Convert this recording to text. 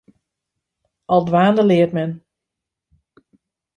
Al dwaande leart men.